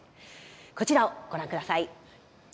こちらをご覧ください。